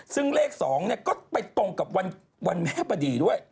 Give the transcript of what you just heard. ซึ่งเลข๒ก็ไปตรงกับวันแม่บดีด้วย